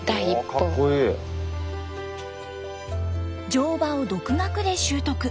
乗馬を独学で習得。